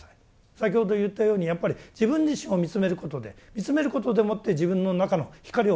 先ほど言ったようにやっぱり自分自身を見つめることで見つめることでもって自分の中の光を感じます。